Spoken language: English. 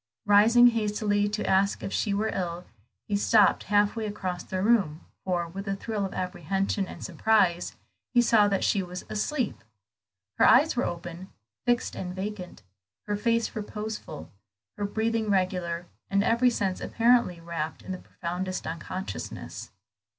Rising hastily to ask if she were ill, he stopped half way across the room, for, with a thrill of apprehension and surprise, he saw that she was asleep. Her eyes were open, fixed and vacant, her face reposeful, her breathing regular, and every sense apparently wrapt in the profoundest unconsciousness.